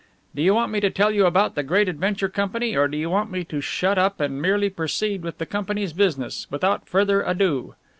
"Do you want me to tell you all about the Great Adventure Company, or do you want me to shut up and merely proceed with the company's business without further ado?